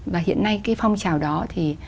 và hiện nay cái phong trào đó thì